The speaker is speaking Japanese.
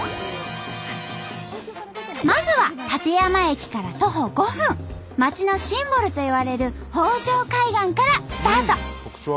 まずは館山駅から徒歩５分町のシンボルといわれる北条海岸からスタート！